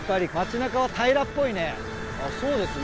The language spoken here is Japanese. そうですね。